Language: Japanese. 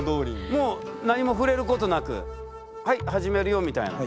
もう何も触れることなくはい始めるよみたいな。